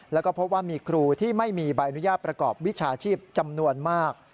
แล้วก็พบว่ามีครูที่ไม่มีใบอนุญาตประกอบวิชาชีพจำนวนมาก